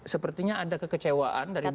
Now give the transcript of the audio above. sepertinya ada kekecewaan dari